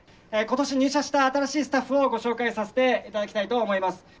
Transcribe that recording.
今年入社した新しいスタッフをご紹介させていただきたいと思います